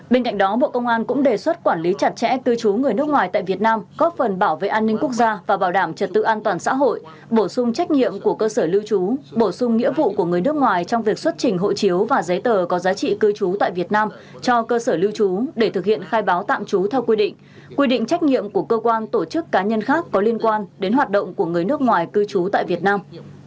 bên cạnh đó bộ công an cũng đề xuất quản lý chặt chẽ cư trú người nước ngoài tại việt nam góp phần bảo vệ an ninh quốc gia và bảo đảm trật tự an toàn xã hội bổ sung trách nhiệm của cơ sở lưu trú bổ sung nghĩa vụ của người nước ngoài trong việc xuất trình hộ chiếu và giấy tờ có giá trị cư trú tại việt nam cho cơ sở lưu trú để thực hiện khai báo tạm trú theo quy định quy định trách nhiệm của cơ quan tổ chức cá nhân khác có liên quan đến hoạt động của người nước ngoài cư trú tại việt nam